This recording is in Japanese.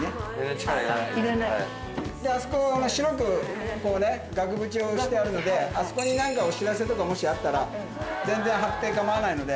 あそこ白くこうね額縁をしてあるのであそこに何かお知らせとかもしあったら全然張って構わないので。